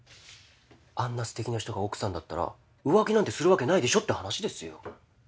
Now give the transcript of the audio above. あんなすてきな人が奥さんだったら浮気なんてするわけないでしょって話ですよ。